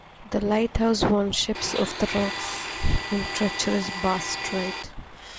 The lighthouse warns ships of the rocks in treacherous Bass Strait.